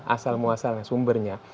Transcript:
asal muasalnya sumbernya